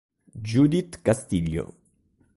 Judith Castillo